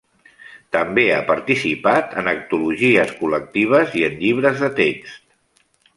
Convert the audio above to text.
També ha participat en antologies col·lectives i en llibres de text.